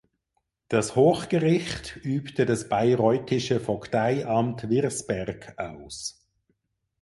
Das Hochgericht übte das bayreuthische Vogteiamt Wirsberg aus.